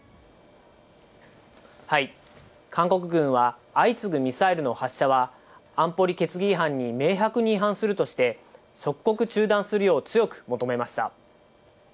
韓国軍は、相次ぐミサイルの発射は、安保理決議違反に明白に違反するとして、即刻中断するよう、強く求めました。